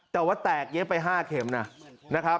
แต่ว่าแตกเย็นไป๕เข็มน่ะ